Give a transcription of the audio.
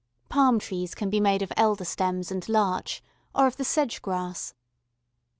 Palm trees can be made of elder stems and larch or of the sedge grass.